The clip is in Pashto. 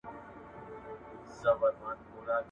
د يوه سپاره به څه دوړه وي.